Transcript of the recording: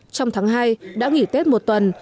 trong tháng hai đã nghỉ tết một tuần